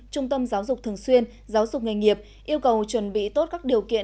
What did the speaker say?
trung tâm giáo dục thường xuyên giáo dục nghề nghiệp yêu cầu chuẩn bị tốt các điều kiện